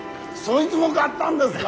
いづも買ったんですか。